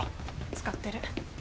使ってる。